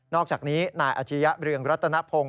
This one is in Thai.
อกจากนี้นายอาชียะเรืองรัตนพงศ์